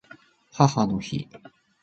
母の日